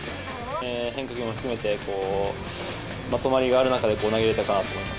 変化球も含めて、まとまりがある中で投げれたかなと思います。